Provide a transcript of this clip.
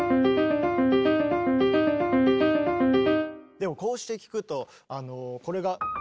でもこうして聴くとあのこれが。